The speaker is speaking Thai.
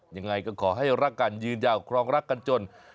ยังไงก็ขอให้รักกันยืนยาวครองรักกันจน